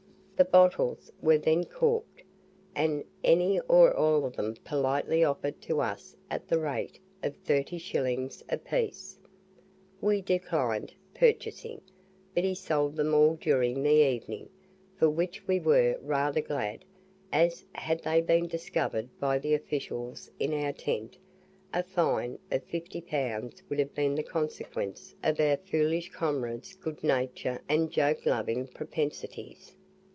The bottles were then corked, and any or all of them politely offered to us at the rate of 30s a piece. We declined purchasing, but he sold them all during the evening, for which we were rather glad, as, had they been discovered by the officials in our tent, a fine of 50 pounds would have been the consequence of our foolish comrades good nature and joke loving propensities.